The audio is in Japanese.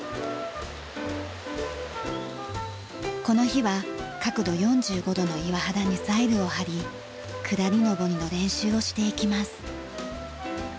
この日は角度４５度の岩肌にザイルを張りくだりのぼりの練習をしていきます。